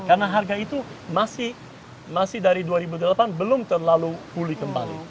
karena harga itu masih dari dua ribu delapan belum terlalu pulih kembali